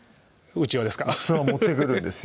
うちわを持ってくるんですよ